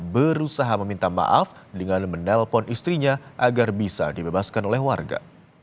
berusaha meminta maaf dengan menelpon istrinya agar bisa dibebaskan oleh warga